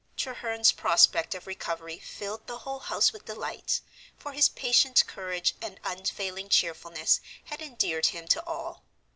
Treherne's prospect of recovery filled the whole house with delight, for his patient courage and unfailing cheerfulness had endeared him to all.